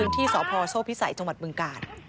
ที่สพโชว์พิสัยจังหวัดเมืองกาล